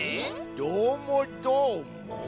どーもどーも？